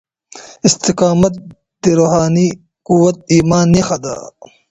استقامت د روحاني قوت او ايمان نښه ده.